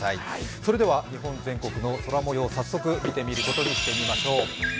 それでは日本全国の空模様を早速見てみることにしましょう。